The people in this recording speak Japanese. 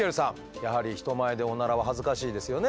やはり人前でオナラは恥ずかしいですよね？